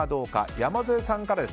山添さんからです。